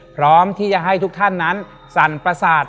พร้อมที่จะให้ทุกท่านนั้นสั่นประสาท